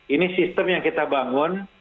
ini sistem yang kita bangun